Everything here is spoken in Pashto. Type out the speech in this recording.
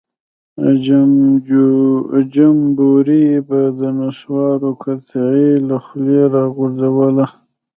جمبوري به د نسوارو قطۍ له خولۍ راوغورځوله.